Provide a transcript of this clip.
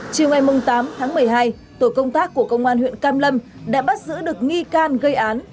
chiều ngày tám tháng một mươi hai tổ công tác của công an huyện cam lâm đã bắt giữ được nghi can gây án